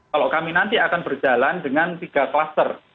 kalau kami nanti akan berjalan dengan tiga klaster